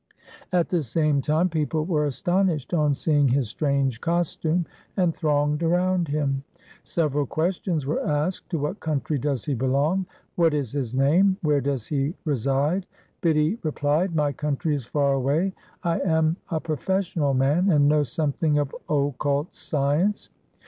At the same time people were astonished on seeing his strange costume, and thronged around him. Several questions were asked, ' To what country does he belong ?'' What is his name ?'' Where doth he reside ?' Bidhi replied, ' My country is far away. I am a profes sional man and know something of occult science.'